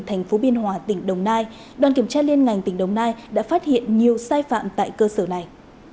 thành phố biên hòa tỉnh đồng nai đoàn kiểm tra liên ngành tỉnh đồng nai đã phát hiện nhiều sai phạm tại cơ sở này